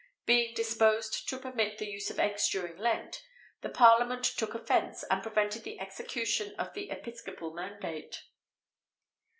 being disposed to permit the use of eggs during Lent, the parliament took offence, and prevented the execution of the episcopal mandate.